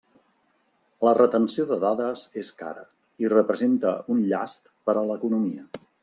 La retenció de dades és cara i representa un llast per a l'economia.